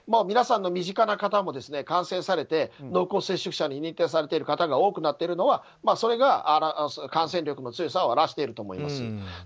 皆さんの身近な方も感染されて濃厚接触者に認定されている方が多くなっているのはそれが感染力の強さを表していると思います。